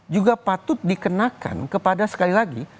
juga patut dikenakan kepada sekali lagi